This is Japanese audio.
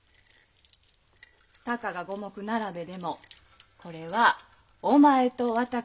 たかが五目並べでもこれはお前と私の戦です。